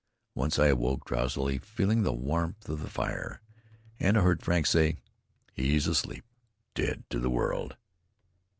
Once I awoke, drowsily feeling the warmth of the fire, and I heard Frank say: "He's asleep, dead to the world!"